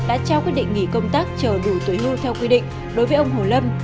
đã trao quyết định nghỉ công tác chờ đủ tuổi hưu theo quy định đối với ông hồ lâm